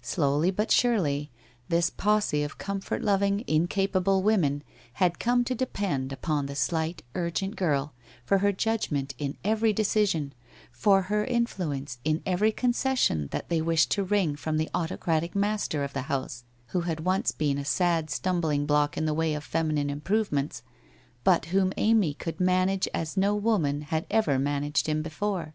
Slowly, but surely, this posse of comfort loving, incapable women had come to depend upon the slight, urgent girl for her judgment in every decision, for her influence in every con cession that they wished to wring from the autocratic master of the house, who had once been a sad stumbling block in the way of feminine improvements, but whom Amy could manage as no woman had ever managed him before.